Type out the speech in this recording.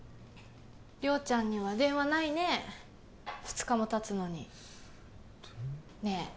亮ちゃんには電話ないね二日もたつのにねえ